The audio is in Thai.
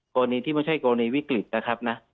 กรณีที่ไม่ใช่กรณีวิกฤตนะครับนะ